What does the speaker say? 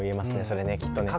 それねきっとね。